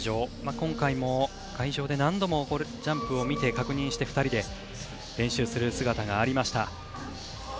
今回も会場で何回もジャンプを見て確認して、２人で練習する姿がありました。